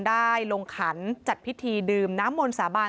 ได้ลงขันจัดพิธีดื่มน้ำมนต์สาบาน